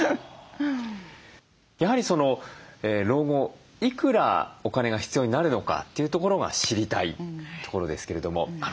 やはり老後いくらお金が必要になるのかというところが知りたいところですけれども目安をですね